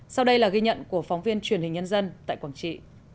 sau đây là ghi nhận của phóng viên truyền hình nhân dân tại quảng trị